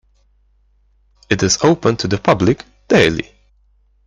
It is open to the public daily.